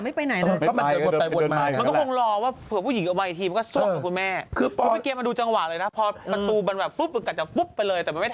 ย๊ไม่ไปไหนเลยเมื่อว่าดูจังหวะเลยนะครับภูมิ